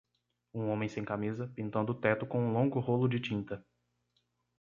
Um homem sem camisa, pintando o teto com um longo rolo de tinta.